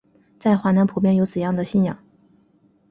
在华南普遍有此样的信仰。